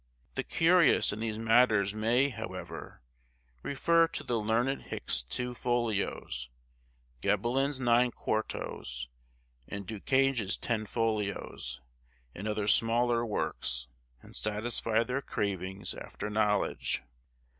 The curious in these matters may, however, refer to the learned Hickes's two folios, Gebelin's nine quartos, and Du Cange's ten folios, and other smaller works, and satisfy their cravings after knowledge.